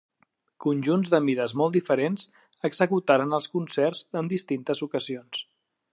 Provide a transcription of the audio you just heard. Conjunts de mides molt diferents executaren els concerts en distintes ocasions.